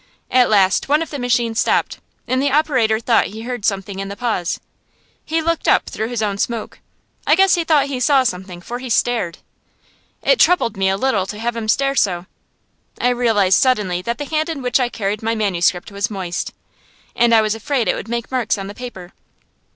At last one of the machines stopped, and the operator thought he heard something in the pause. He looked up through his own smoke. I guess he thought he saw something, for he stared. It troubled me a little to have him stare so. I realized suddenly that the hand in which I carried my manuscript was moist, and I was afraid it would make marks on the paper.